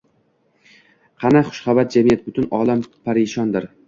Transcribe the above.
Qani xushbaxt jamiyat? Butun olam parishondir